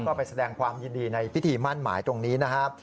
ก็ไปแสดงความยินดีในพิธีมั่นหมายตรงนี้นะครับ